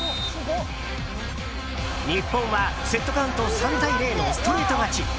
日本はセットカウント３対０のストレート勝ち。